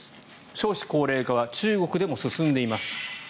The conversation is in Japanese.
少子高齢化は中国でも進んでいます。